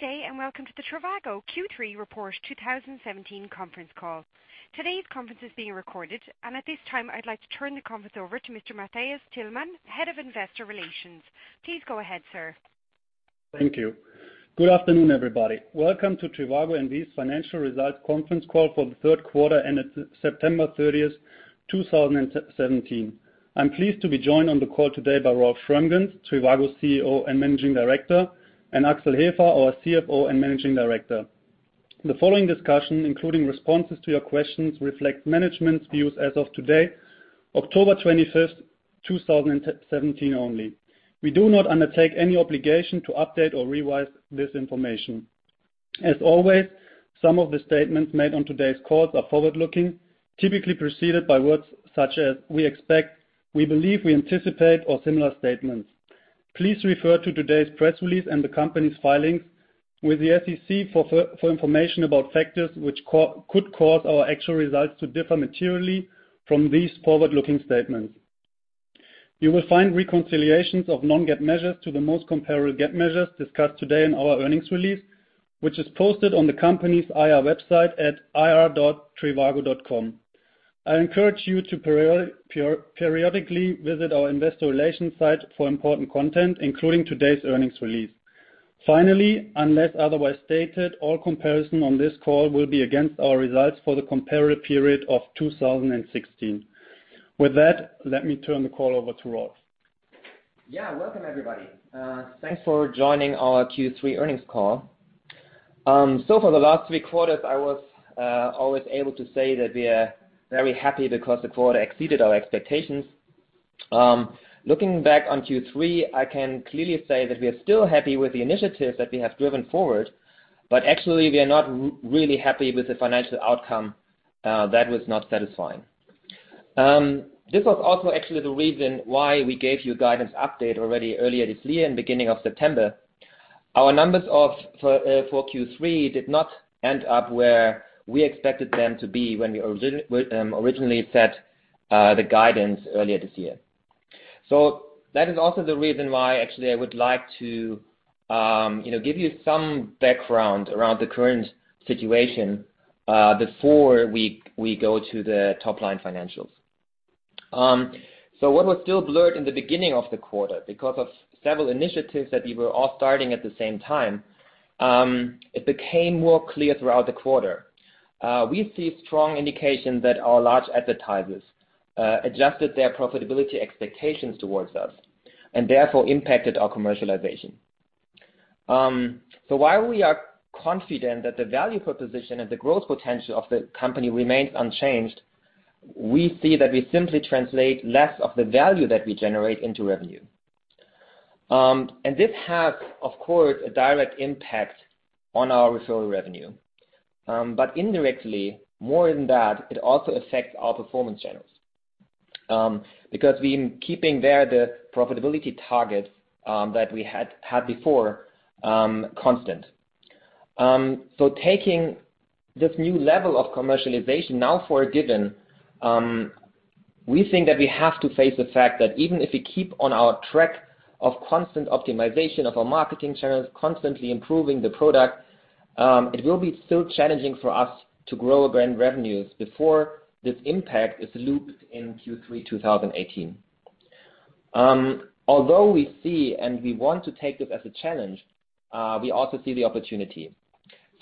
Good day, welcome to the trivago Q3 Report 2017 conference call. Today's conference is being recorded, and at this time, I'd like to turn the conference over to Mr. Matthias Tillmann, Head of Investor Relations. Please go ahead, sir. Thank you. Good afternoon, everybody. Welcome to trivago N.V.'s Financial Results Conference Quarter for the third quarter ended September 30th, 2017. I'm pleased to be joined on the call today by Rolf Schrömgens, trivago CEO and Managing Director, and Axel Hefer, our CFO and Managing Director. The following discussion, including responses to your questions, reflects management's views as of today, October 25th, 2017 only. We do not undertake any obligation to update or revise this information. Some of the statements made on today's call are forward-looking, typically preceded by words such as "we expect," "we believe," "we anticipate," or similar statements. Please refer to today's press release and the company's filings with the SEC for information about factors which could cause our actual results to differ materially from these forward-looking statements. You will find reconciliations of non-GAAP measures to the most comparable GAAP measures discussed today in our earnings release, which is posted on the company's IR website at ir.trivago.com. I encourage you to periodically visit our investor relations site for important content, including today's earnings release. Unless otherwise stated, all comparison on this call will be against our results for the comparable period of 2016. With that, let me turn the call over to Rolf. Welcome, everybody. Thanks for joining our Q3 earnings call. For the last three quarters, I was always able to say that we are very happy because the quarter exceeded our expectations. Looking back on Q3, I can clearly say that we are still happy with the initiatives that we have driven forward, but actually we are not really happy with the financial outcome. That was not satisfying. This was also actually the reason why we gave you a guidance update already earlier this year in beginning of September. Our numbers for Q3 did not end up where we expected them to be when we originally set the guidance earlier this year. That is also the reason why, actually, I would like to give you some background around the current situation before we go to the top-line financials. What was still blurred in the beginning of the quarter, because of several initiatives that we were all starting at the same time, it became more clear throughout the quarter. We see strong indications that our large advertisers adjusted their profitability expectations towards us, and therefore impacted our commercialization. While we are confident that the value proposition and the growth potential of the company remains unchanged, we see that we simply translate less of the value that we generate into revenue. This has, of course, a direct impact on our referral revenue. Indirectly, more than that, it also affects our performance channels because we are keeping there the profitability target that we had before constant. Taking this new level of commercialization now for a given, we think that we have to face the fact that even if we keep on our track of constant optimization of our marketing channels, constantly improving the product, it will be still challenging for us to grow again revenues before this impact is looped in Q3 2018. Although we see and we want to take this as a challenge, we also see the opportunity.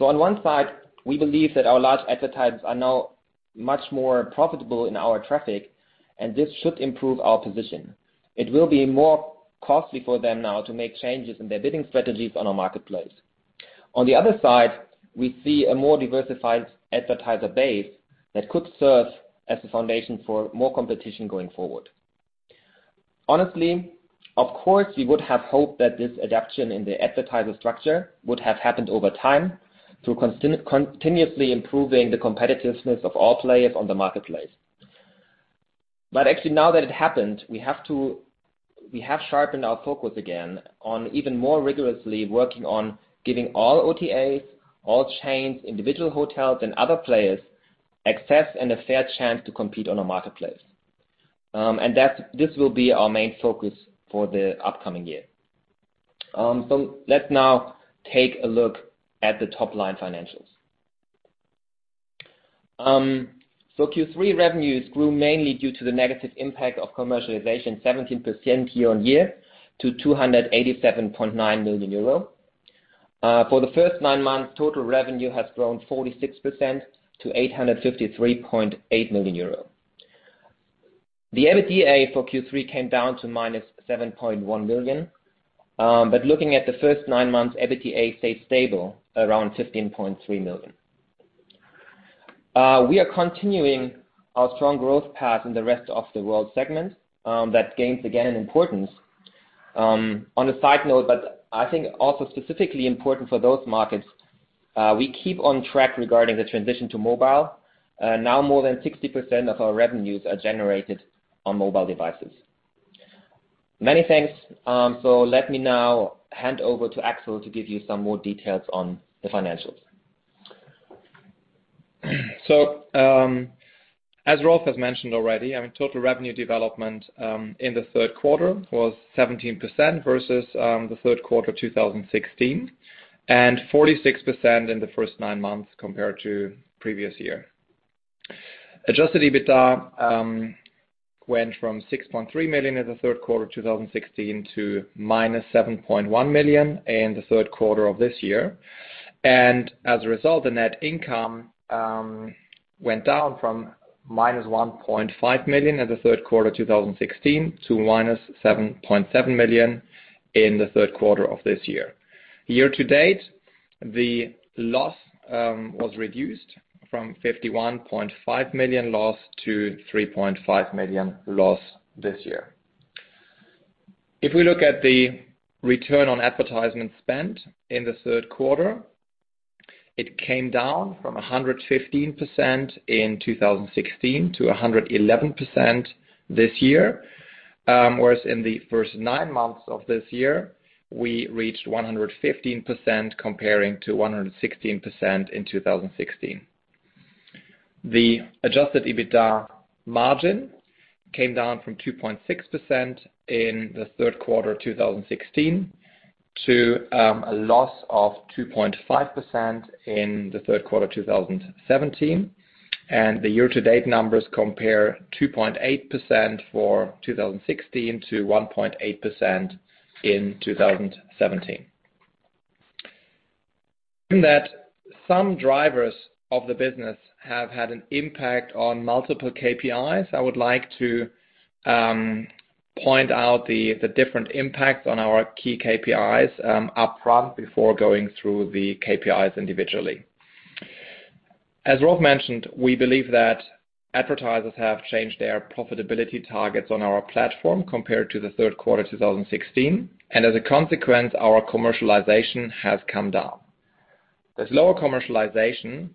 On one side, we believe that our large advertisers are now much more profitable in our traffic, and this should improve our position. It will be more costly for them now to make changes in their bidding strategies on our marketplace. On the other side, we see a more diversified advertiser base that could serve as a foundation for more competition going forward. Honestly, of course, we would have hoped that this adaption in the advertiser structure would have happened over time through continuously improving the competitiveness of all players on the marketplace. Actually, now that it happened, we have sharpened our focus again on even more rigorously working on giving all OTAs, all chains, individual hotels, and other players access and a fair chance to compete on our marketplace. This will be our main focus for the upcoming year. Let's now take a look at the top-line financials. Q3 revenues grew mainly due to the negative impact of commercialization, 17% year-on-year to 287.9 million euro. For the first nine months, total revenue has grown 46% to 853.8 million euro. The EBITDA for Q3 came down to -7.1 million. Looking at the first nine months, EBITDA stayed stable around 15.3 million. We are continuing our strong growth path in the rest of the world segment. That gains again importance. On a side note, but I think also specifically important for those markets, we keep on track regarding the transition to mobile. Now more than 60% of our revenues are generated on mobile devices. Many thanks. Let me now hand over to Axel to give you some more details on the financials. As Rolf has mentioned already, total revenue development in the third quarter was 17% versus the third quarter 2016, and 46% in the first nine months compared to previous year. adjusted EBITDA went from 6.3 million in the third quarter of 2016 to minus 7.1 million in the third quarter of this year. As a result, the net income went down from minus 1.5 million in the third quarter 2016 to minus 7.7 million in the third quarter of this year. Year to date, the loss was reduced from 51.5 million loss to 3.5 million loss this year. If we look at the return on advertising spend in the third quarter, it came down from 115% in 2016 to 111% this year. Whereas in the first nine months of this year, we reached 115% comparing to 116% in 2016. The adjusted EBITDA margin came down from 2.6% in the third quarter 2016 to a loss of 2.5% in the third quarter 2017, and the year-to-date numbers compare 2.8% for 2016 to 1.8% in 2017. In that, some drivers of the business have had an impact on multiple KPIs. I would like to point out the different impacts on our key KPIs upfront before going through the KPIs individually. As Rolf mentioned, we believe that advertisers have changed their profitability targets on our platform compared to the third quarter 2016, and as a consequence, our commercialization has come down. This lower commercialization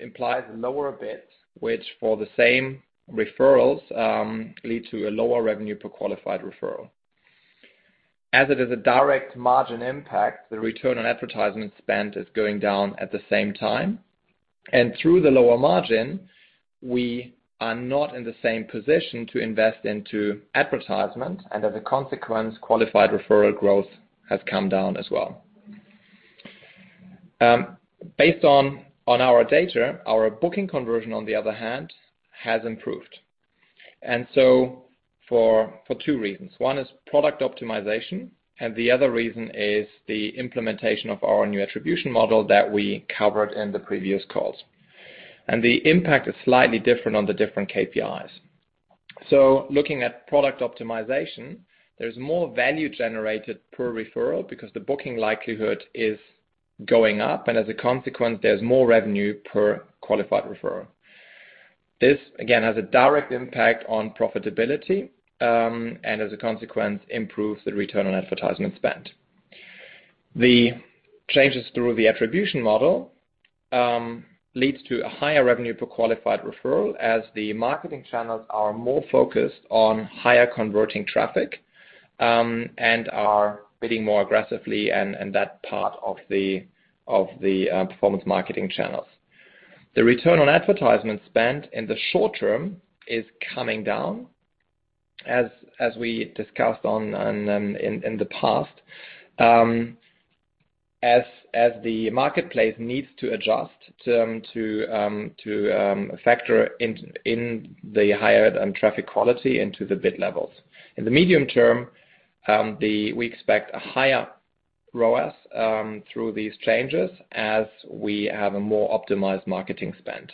implies lower bids, which for the same referrals, lead to a lower revenue per qualified referral. As it is a direct margin impact, the return on advertising spend is going down at the same time. Through the lower margin, we are not in the same position to invest into advertisement, and as a consequence, qualified referral growth has come down as well. Based on our data, our booking conversion, on the other hand, has improved. For two reasons. One is product optimization, and the other reason is the implementation of our new attribution model that we covered in the previous calls. The impact is slightly different on the different KPIs. Looking at product optimization, there's more value generated per referral because the booking likelihood is going up, and as a consequence, there's more revenue per qualified referral. This, again, has a direct impact on profitability, and as a consequence, improves the return on advertising spend. The changes through the attribution model leads to a higher revenue per qualified referral as the marketing channels are more focused on higher converting traffic, and are bidding more aggressively and that part of the performance marketing channels. The return on advertising spend in the short term is coming down, as we discussed in the past, as the marketplace needs to adjust to factor in the higher traffic quality into the bid levels. In the medium term, we expect a higher ROAS through these changes as we have a more optimized marketing spend.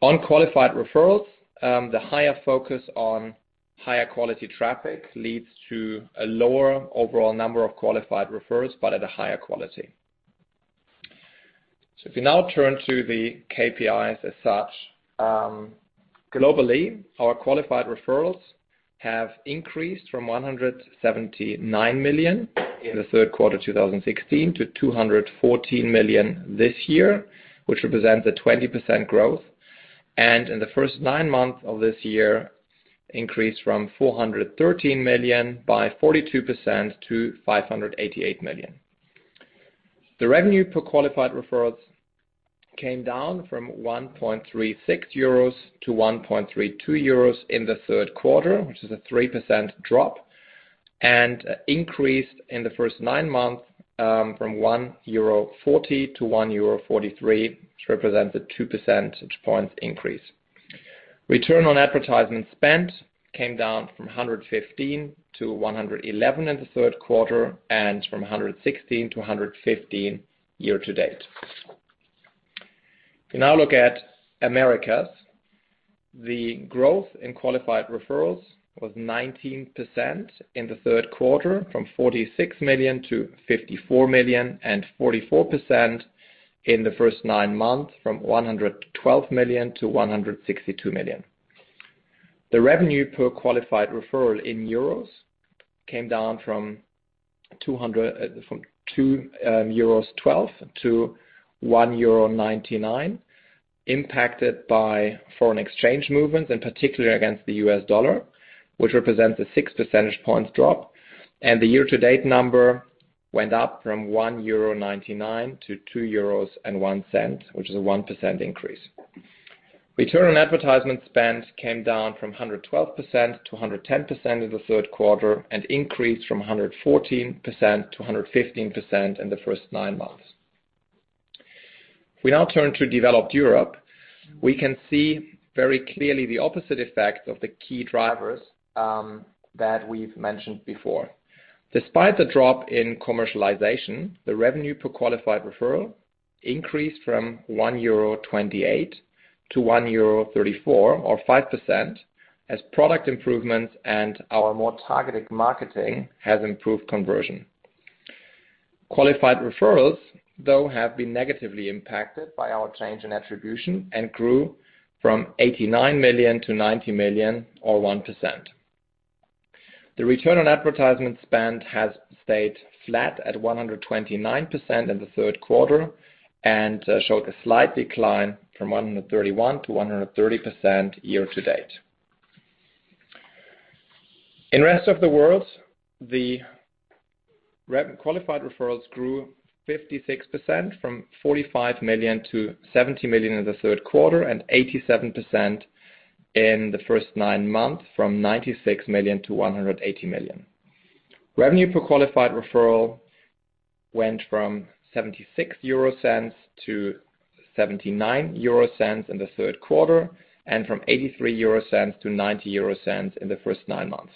On qualified referrals, the higher focus on higher quality traffic leads to a lower overall number of qualified referrals, but at a higher quality. If you now turn to the KPIs as such. Globally, our qualified referrals have increased from 179 million in the third quarter 2016 to 214 million this year, which represents a 20% growth. In the first nine months of this year, increased from 413 million by 42% to 588 million. The revenue per qualified referral came down from 1.36 euros to 1.32 euros in the third quarter, which is a 3% drop, and increased in the first nine months from 1.40 euro to 1.43 euro, which represents a 2 percentage points increase. Return on advertising spend came down from 115% to 111% in the third quarter, and from 116% to 115% year-to-date. If you now look at Americas, the growth in qualified referrals was 19% in the third quarter, from 46 million to 54 million, and 44% in the first nine months, from 112 million to 162 million. The revenue per qualified referral came down from 2.12 euros to 1.99 euro, impacted by foreign exchange movements, and particularly against the U.S. dollar, which represents a 6 percentage points drop. The year-to-date number went up from 1.99 euro to 2.01 euros, which is a 1% increase. Return on advertising spend came down from 112% to 110% in the third quarter, and increased from 114% to 115% in the first nine months. We now turn to developed Europe. We can see very clearly the opposite effect of the key drivers that we've mentioned before. Despite the drop in commercialization, the revenue per qualified referral increased from 1.28 euro to 1.34 euro, or 5%, as product improvements and our more targeted marketing has improved conversion. Qualified referrals, though, have been negatively impacted by our change in attribution, and grew from 89 million to 90 million, or 1%. The return on advertising spend has stayed flat at 129% in the third quarter, and showed a slight decline from 131% to 130% year-to-date. In rest of the world, the qualified referrals grew 56%, from 45 million to 70 million in the third quarter, and 87% in the first nine months, from 96 million to 180 million. Revenue per qualified referral went from 0.76 to 0.79 in the third quarter, and from 0.83 to 0.90 in the first nine months.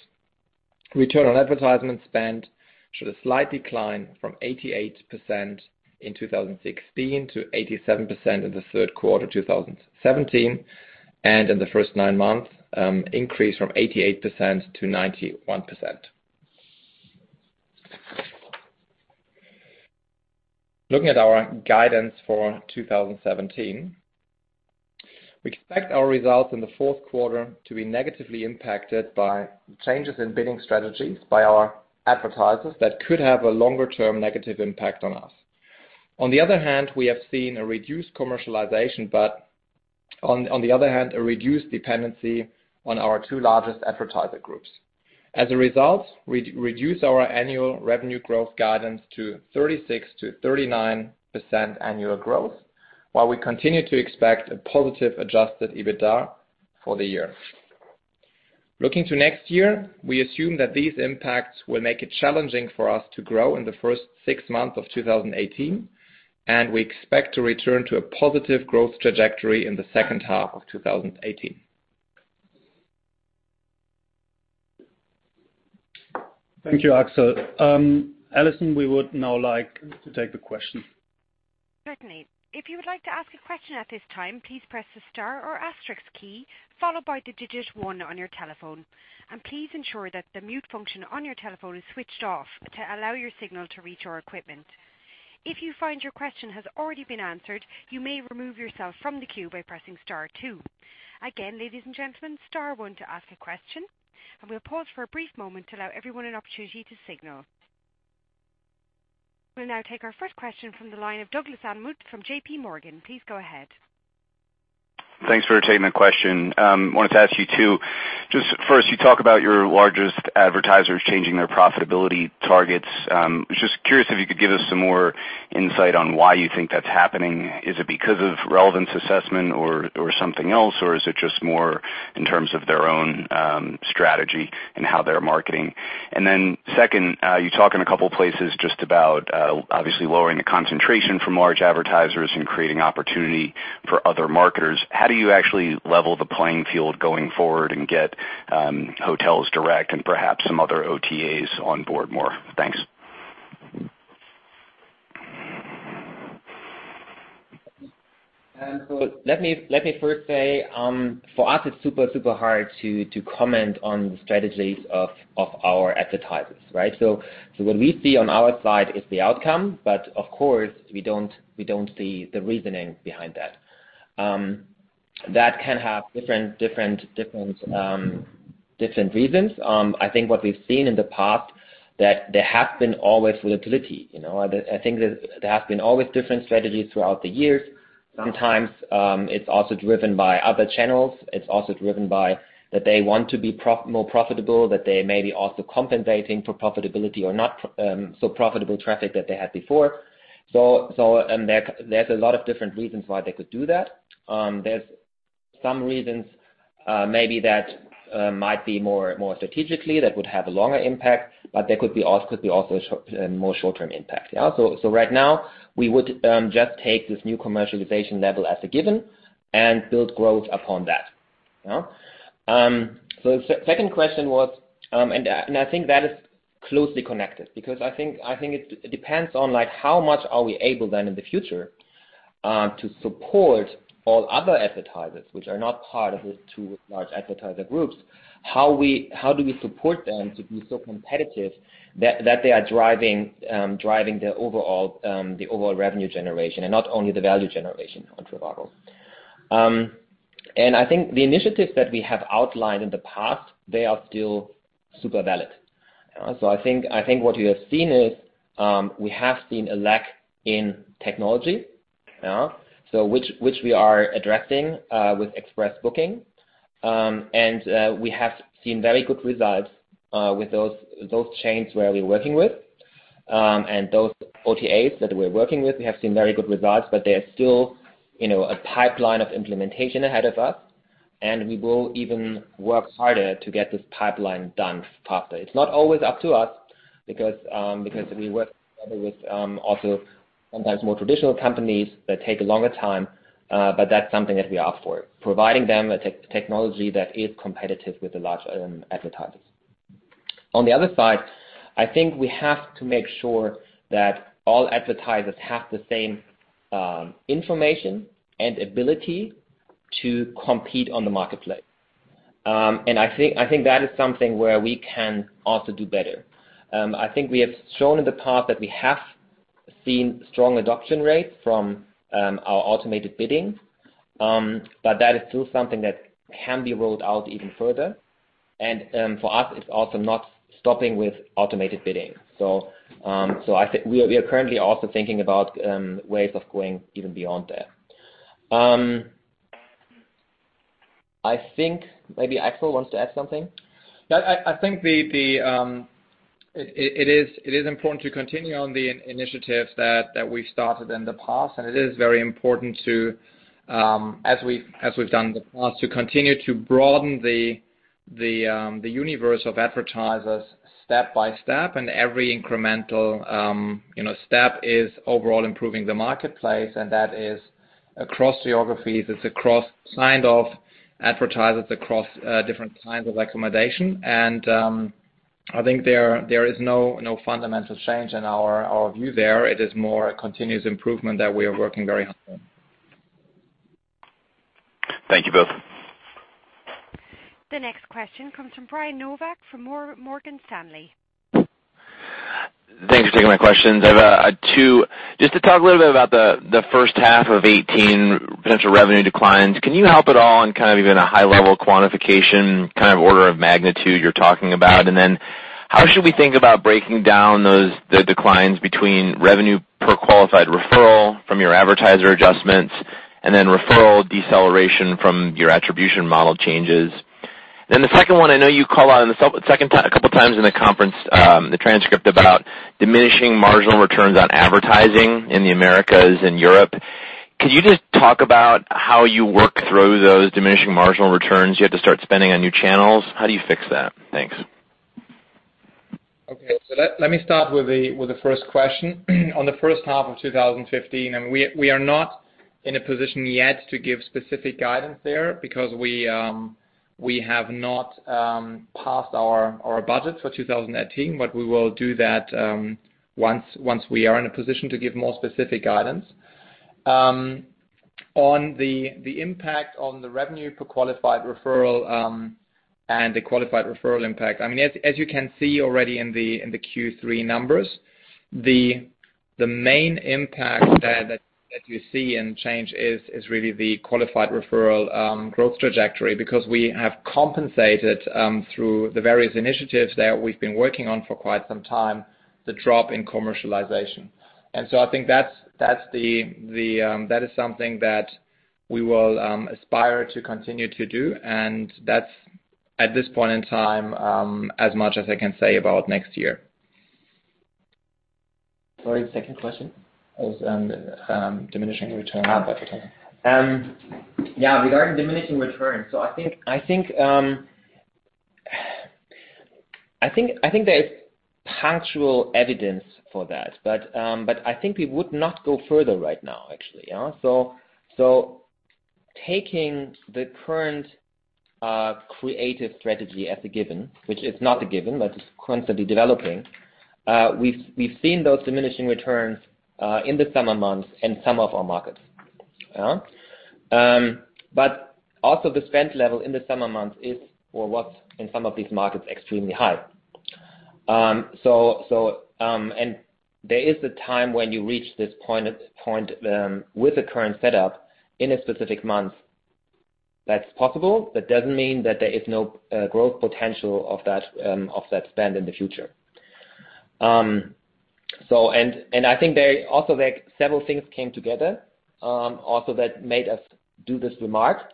Return on advertising spend showed a slight decline from 88% in 2016 to 87% in the third quarter 2017, and in the first nine months, increase from 88% to 91%. Looking at our guidance for 2017, we expect our results in the fourth quarter to be negatively impacted by changes in bidding strategies by our advertisers that could have a longer term negative impact on us. On the other hand, we have seen a reduced commercialization but, on the other hand, a reduced dependency on our two largest advertiser groups. As a result, we reduce our annual revenue growth guidance to 36%-39% annual growth, while we continue to expect a positive adjusted EBITDA for the year. Looking to next year, we assume that these impacts will make it challenging for us to grow in the first 6 months of 2018, and we expect to return to a positive growth trajectory in the second half of 2018. Thank you, Axel. Allison, we would now like to take the questions. Certainly. If you would like to ask a question at this time, please press the star or asterisk key, followed by the digit one on your telephone. Please ensure that the mute function on your telephone is switched off to allow your signal to reach our equipment. If you find your question has already been answered, you may remove yourself from the queue by pressing star two. Again, ladies and gentlemen, star one to ask a question. We'll pause for a brief moment to allow everyone an opportunity to signal. We'll now take our first question from the line of Douglas Anmuth from J.P. Morgan. Please go ahead. Thanks for taking the question. Wanted to ask you two, just first, you talk about your largest advertisers changing their profitability targets. Was just curious if you could give us some more insight on why you think that's happening. Is it because of relevance assessment or something else, or is it just more in terms of their own strategy and how they're marketing? Then second, you talk in a couple places just about, obviously lowering the concentration for large advertisers and creating opportunity for other marketers. How do you actually level the playing field going forward and get hotels direct and perhaps some other OTAs on board more? Thanks. Let me first say, for us, it's super hard to comment on the strategies of our advertisers, right? What we see on our side is the outcome. Of course, we don't see the reasoning behind that. That can have different reasons. I think what we've seen in the past, that there has been always volatility. I think there has been always different strategies throughout the years. Sometimes, it's also driven by other channels. It's also driven by that they want to be more profitable, that they may be also compensating for profitability or not so profitable traffic that they had before. There's a lot of different reasons why they could do that. There's some reasons, maybe that might be more strategically, that would have a longer impact, but there could be also more short-term impacts. Yeah. Right now, we would just take this new commercialization level as a given and build growth upon that. The second question was, and I think that is closely connected, because I think it depends on how much are we able then in the future, to support all other advertisers, which are not part of the two large advertiser groups. How do we support them to be so competitive that they are driving the overall revenue generation and not only the value generation on trivago? The initiatives that we have outlined in the past, they are still super valid. I think what you have seen is, we have seen a lack in technology. Which we are addressing with Express Booking. We have seen very good results with those chains where we're working with, and those OTAs that we're working with, we have seen very good results. There is still a pipeline of implementation ahead of us, and we will even work harder to get this pipeline done faster. It's not always up to us because we work together with also sometimes more traditional companies that take a longer time, but that's something that we opt for. Providing them a technology that is competitive with the large advertisers. On the other side, I think we have to make sure that all advertisers have the same information and ability to compete on the marketplace. I think that is something where we can also do better. I think we have shown in the past that we have seen strong adoption rates from our automated bidding, but that is still something that can be rolled out even further. For us, it's also not stopping with automated bidding. I think we are currently also thinking about ways of going even beyond that. I think maybe Axel wants to add something. I think it is important to continue on the initiatives that we started in the past. It is very important to, as we've done in the past, to continue to broaden the universe of advertisers step by step. Every incremental step is overall improving the marketplace, and that is across geographies, it's across signed off advertisers, across different kinds of accommodation. I think there is no fundamental change in our view there. It is more a continuous improvement that we are working very hard on. Thank you both. The next question comes from Brian Nowak from Morgan Stanley. Thanks for taking my questions. I have two. Just to talk a little bit about the first half of 2018 potential revenue declines. Can you help at all in even a high level quantification, order of magnitude you're talking about? How should we think about breaking down the declines between revenue per qualified referral from your advertiser adjustments, and then referral deceleration from your attribution model changes? The second one, I know you call out a couple of times in the conference, the transcript about diminishing marginal returns on advertising in the Americas and Europe. Could you just talk about how you work through those diminishing marginal returns? Do you have to start spending on new channels? How do you fix that? Thanks. Okay. Let me start with the first question. On the first half of 2018, we are not in a position yet to give specific guidance there because we have not passed our budget for 2018. We will do that once we are in a position to give more specific guidance. On the impact on the revenue per qualified referral and the qualified referral impact, as you can see already in the Q3 numbers, the main impact there that you see in change is really the qualified referral growth trajectory because we have compensated through the various initiatives that we've been working on for quite some time, the drop in commercialization. I think that is something that we will aspire to continue to do, and that's at this point in time, as much as I can say about next year. Sorry, the second question? Was diminishing return on advertising. Yeah. Regarding diminishing returns. I think there is punctual evidence for that, but I think we would not go further right now, actually. Yeah. Taking the current creative strategy as a given, which is not a given, but it's constantly developing, we've seen those diminishing returns in the summer months in some of our markets. Also the spend level in the summer months is, or was in some of these markets, extremely high. There is a time when you reach this point with the current setup in a specific month. That's possible. That doesn't mean that there is no growth potential of that spend in the future. I think also several things came together also that made us do this remark,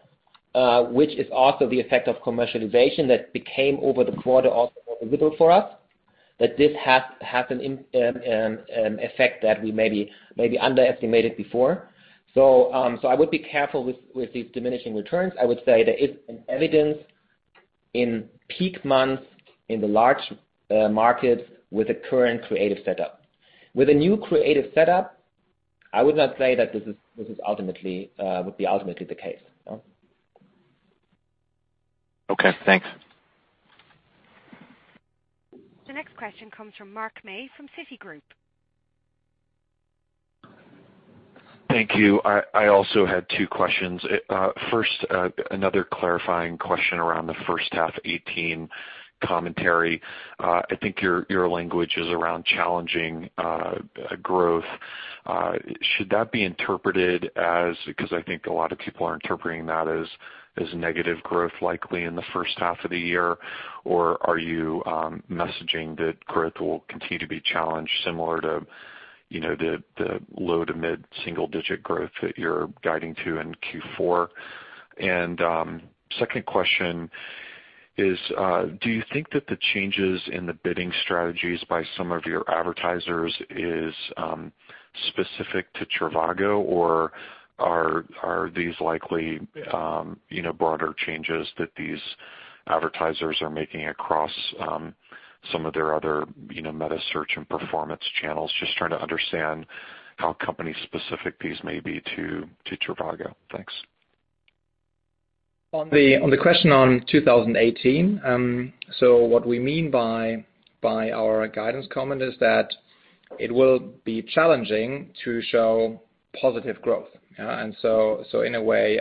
which is also the effect of commercialization that became over the quarter also more visible for us, that this has had an effect that we maybe underestimated before. I would be careful with these diminishing returns. I would say there is an evidence in peak months in the large markets with the current creative setup. With a new creative setup, I would not say that this would be ultimately the case. Okay, thanks. The next question comes from Mark May from Citigroup. Thank you. I also had two questions. First, another clarifying question around the first half 2018 commentary. I think your language is around challenging growth. Should that be interpreted as, because I think a lot of people are interpreting that as negative growth likely in the first half of the year, or are you messaging that growth will continue to be challenged similar to the low to mid single-digit growth that you're guiding to in Q4. Second question is, do you think that the changes in the bidding strategies by some of your advertisers is specific to trivago, or are these likely broader changes that these advertisers are making across some of their other meta search and performance channels? Just trying to understand how company specific these may be to trivago. Thanks. On the question on 2018, what we mean by our guidance comment is that it will be challenging to show positive growth. In a way,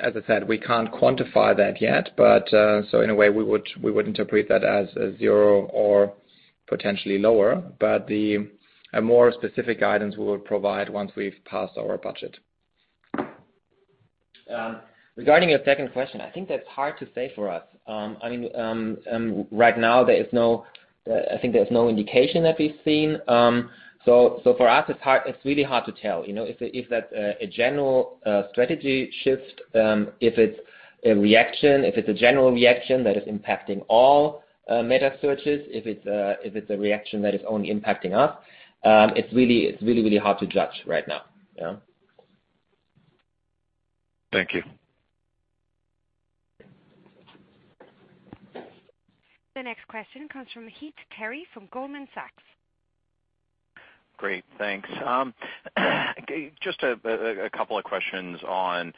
as I said, we can't quantify that yet, but in a way we would interpret that as a zero or potentially lower. A more specific guidance we will provide once we've passed our budget. Regarding your second question, I think that is hard to say for us. Right now I think there is no indication that we have seen. For us, it is really hard to tell, if that is a general strategy shift, if it is a reaction, if it is a general reaction that is impacting all meta searches, if it is a reaction that is only impacting us. It is really hard to judge right now. Thank you. The next question comes from Heath Terry from Goldman Sachs. Great. Thanks. Just a couple of questions on,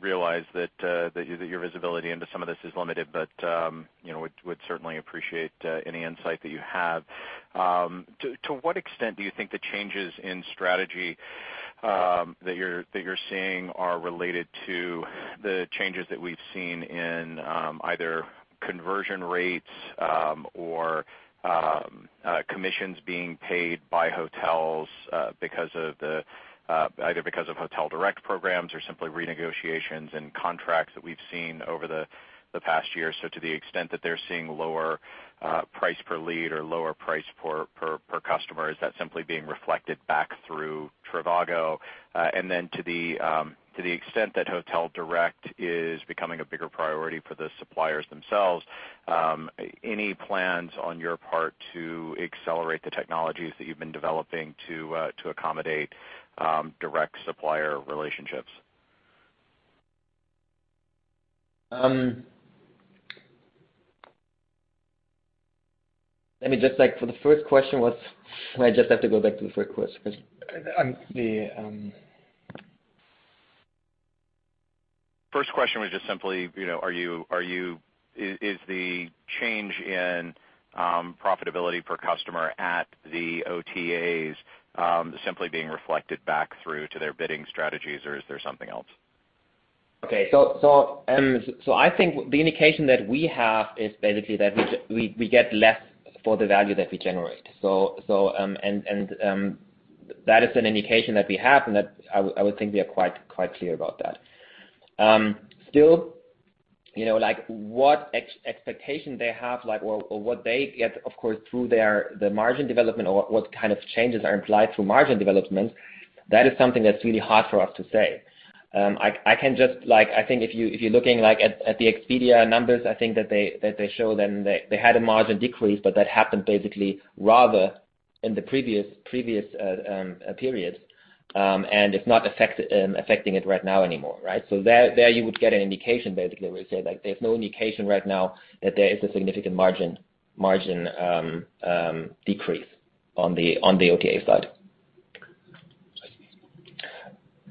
realize that your visibility into some of this is limited, but would certainly appreciate any insight that you have. To what extent do you think the changes in strategy that you are seeing are related to the changes that we have seen in either conversion rates, or commissions being paid by hotels either because of hotel direct programs or simply renegotiations and contracts that we have seen over the past year. To the extent that they are seeing lower price per lead or lower price per customer, is that simply being reflected back through trivago? And then to the extent that hotel direct is becoming a bigger priority for the suppliers themselves, any plans on your part to accelerate the technologies that you have been developing to accommodate direct supplier relationships? Let me just, for the first question, I just have to go back to the first question. The- First question was just simply, is the change in profitability per customer at the OTAs simply being reflected back through to their bidding strategies, or is there something else? Okay. I think the indication that we have is basically that we get less for the value that we generate. That is an indication that we have, and I would think we are quite clear about that. Still, what expectation they have or what they get, of course, through the margin development or what kind of changes are implied through margin development, that is something that's really hard for us to say. I think if you're looking at the Expedia numbers, I think that they show then they had a margin decrease, but that happened basically rather in the previous periods, and it's not affecting it right now anymore, right? There you would get an indication, basically, where you say, there's no indication right now that there is a significant margin decrease on the OTA side.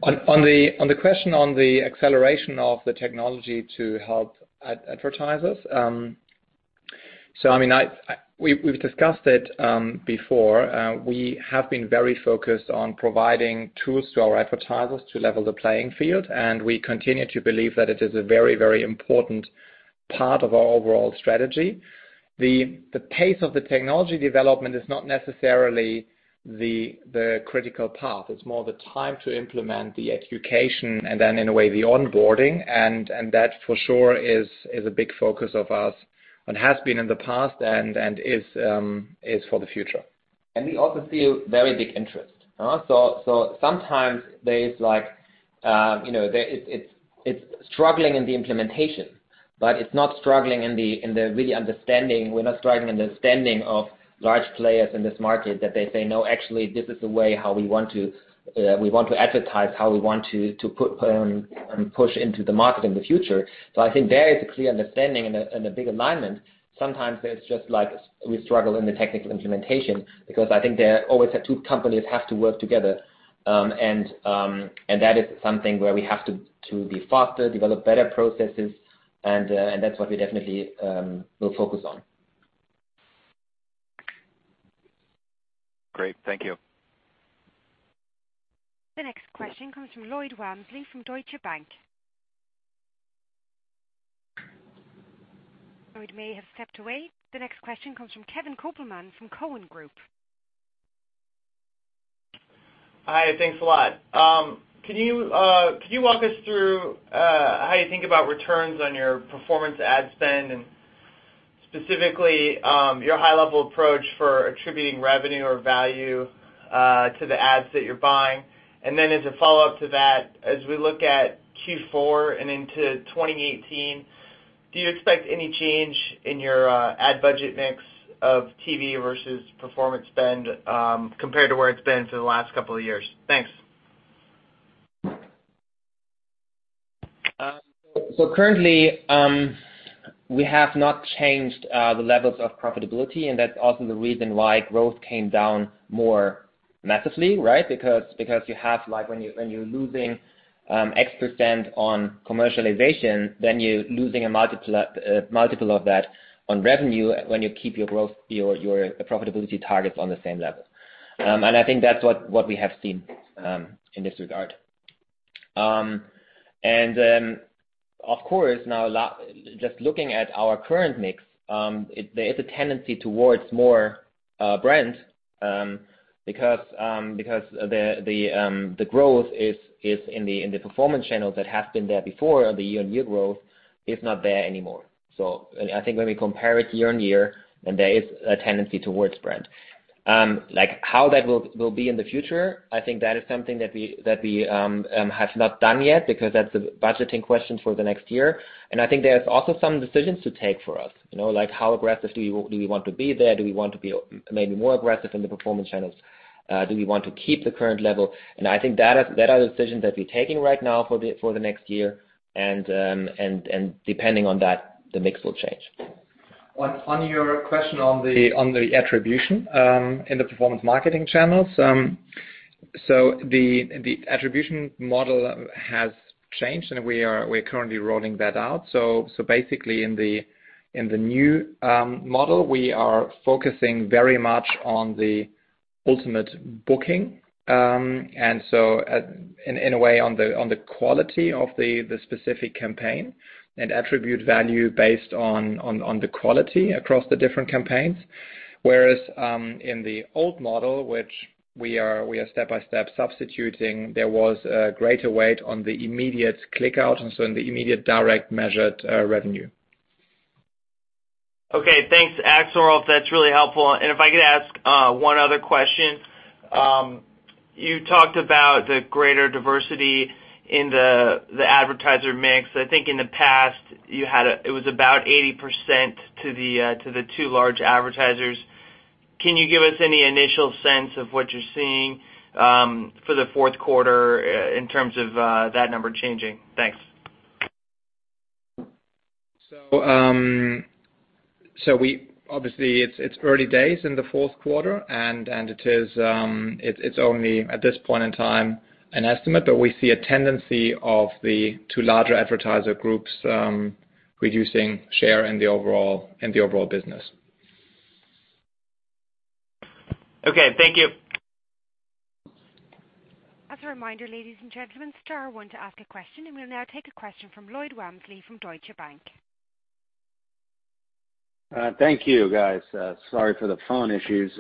On the question on the acceleration of the technology to help advertisers. We've discussed it before. We have been very focused on providing tools to our advertisers to level the playing field, and we continue to believe that it is a very important part of our overall strategy. The pace of the technology development is not necessarily the critical path. It's more the time to implement the education and then in a way, the onboarding, and that for sure is a big focus of us and has been in the past and is for the future. We also see a very big interest. Sometimes there is like, it's struggling in the implementation, but it's not struggling in the really understanding. We're not struggling in the understanding of large players in this market that they say, "No, actually, this is the way how we want to advertise, how we want to put and push into the market in the future." I think there is a clear understanding and a big alignment. Sometimes there's just like, we struggle in the technical implementation because I think there always the two companies have to work together. That is something where we have to be faster, develop better processes, and that's what we definitely will focus on. Great. Thank you. The next question comes from Lloyd Walmsley from Deutsche Bank. Lloyd may have stepped away. The next question comes from Kevin Kopelman from Cowen and Company. Hi, thanks a lot. Can you walk us through how you think about returns on your performance ad spend, and specifically your high-level approach for attributing revenue or value to the ads that you're buying? As a follow-up to that, as we look at Q4 and into 2018, do you expect any change in your ad budget mix of TV versus performance spend compared to where it's been for the last couple of years? Thanks. Currently, we have not changed the levels of profitability, and that's also the reason why growth came down more massively, right? Because when you're losing X% on commercialization, then you're losing a multiple of that on revenue when you keep your profitability targets on the same level. I think that's what we have seen in this regard. Of course, just looking at our current mix, there is a tendency towards more brands because the growth in the performance channels that have been there before, the year-on-year growth is not there anymore. I think when we compare it year-on-year, then there is a tendency towards brand. How that will be in the future, I think that is something that we have not done yet because that's a budgeting question for the next year. I think there's also some decisions to take for us. Like how aggressive do we want to be there? Do we want to be maybe more aggressive in the performance channels? Do we want to keep the current level? I think that are decisions that we're taking right now for the next year, and depending on that, the mix will change. On your question on the attribution in the performance marketing channels. The attribution model has changed, and we're currently rolling that out. Basically in the new model, we are focusing very much on the ultimate booking. So, in a way, on the quality of the specific campaign and attribute value based on the quality across the different campaigns. Whereas in the old model, which we are step-by-step substituting, there was a greater weight on the immediate click out, so in the immediate direct measured revenue. Okay, thanks. Axel, Rolf, that's really helpful. If I could ask one other question. You talked about the greater diversity in the advertiser mix. I think in the past it was about 80% to the two large advertisers. Can you give us any initial sense of what you're seeing for the fourth quarter in terms of that number changing? Thanks. Obviously, it's early days in the fourth quarter, and it's only at this point in time an estimate, but we see a tendency of the two larger advertiser groups reducing share in the overall business. Okay. Thank you. As a reminder, ladies and gentlemen, star one to ask a question. We'll now take a question from Lloyd Walmsley from Deutsche Bank. Thank you, guys. Sorry for the phone issues.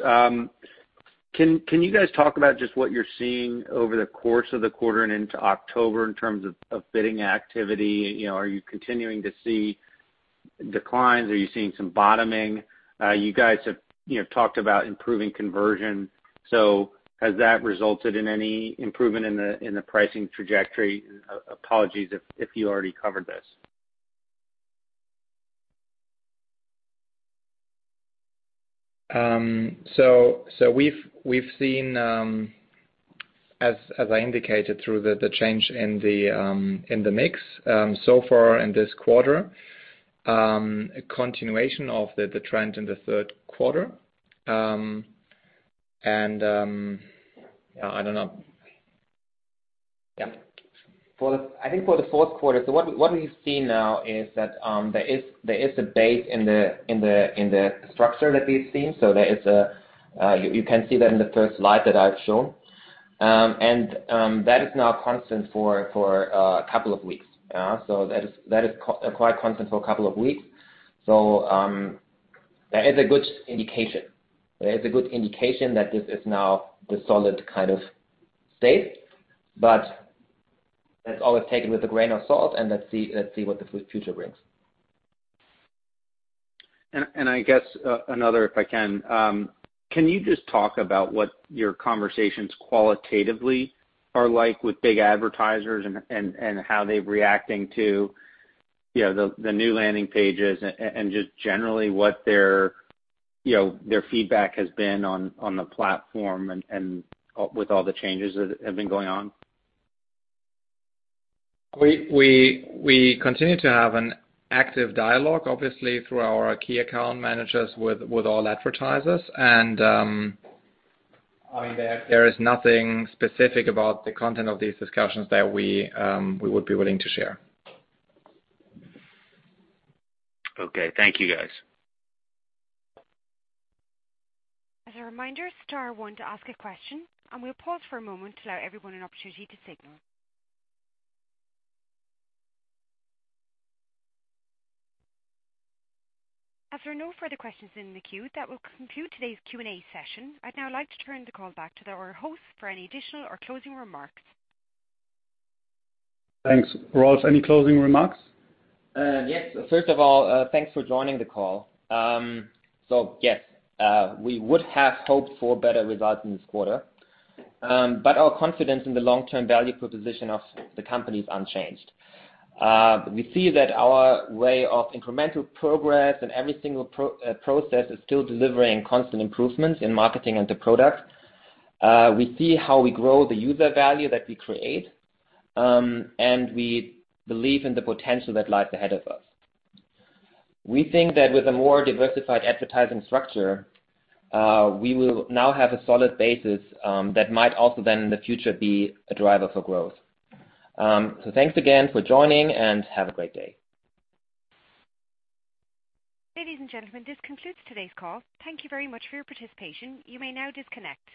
Can you guys talk about just what you're seeing over the course of the quarter and into October in terms of bidding activity? Are you continuing to see declines? Are you seeing some bottoming? You guys have talked about improving conversion. Has that resulted in any improvement in the pricing trajectory? Apologies if you already covered this. We've seen, as I indicated through the change in the mix so far in this quarter, a continuation of the trend in the third quarter. I don't know. Yeah. I think for the fourth quarter, so what we see now is that there is a base in the structure that we've seen. You can see that in the first slide that I've shown. That is now constant for a couple of weeks. That is quite constant for a couple of weeks. That is a good indication that this is now the solid kind of state, but that's always taken with a grain of salt, and let's see what the future brings. If I can. Can you just talk about what your conversations qualitatively are like with big advertisers and how they're reacting to the new landing pages and just generally what their feedback has been on the platform and with all the changes that have been going on? We continue to have an active dialogue, obviously, through our key account managers with all advertisers. There is nothing specific about the content of these discussions that we would be willing to share. Okay. Thank you, guys. As a reminder, star one to ask a question, and we'll pause for a moment to allow everyone an opportunity to signal. As there are no further questions in the queue, that will conclude today's Q&A session. I'd now like to turn the call back to our host for any additional or closing remarks. Thanks. Rolf, any closing remarks? Yes. First of all, thanks for joining the call. Yes, we would have hoped for better results in this quarter, but our confidence in the long-term value proposition of the company is unchanged. We see that our way of incremental progress and every single process is still delivering constant improvements in marketing and the product. We see how we grow the user value that we create, and we believe in the potential that lies ahead of us. We think that with a more diversified advertising structure, we will now have a solid basis that might also then in the future be a driver for growth. Thanks again for joining, and have a great day. Ladies and gentlemen, this concludes today's call. Thank you very much for your participation. You may now disconnect.